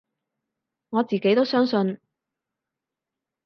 我自己都相信